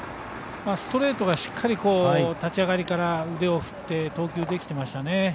ストレートがしっかり立ち上がりから腕を振って投球できていましたね。